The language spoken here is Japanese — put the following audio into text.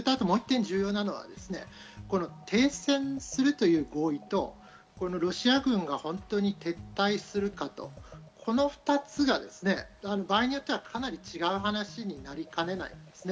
もう１点、重要なのは停戦するという合意とロシア軍が本当に撤退するか、この２つが場合によってはかなり違う話になりかねない。